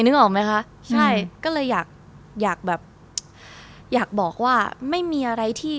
นึกออกไหมคะใช่ก็เลยอยากอยากแบบอยากบอกว่าไม่มีอะไรที่